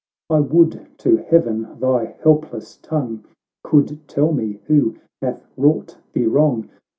"I would to heaven, thy helpless tongue Could tell me who hath wrought thee wrong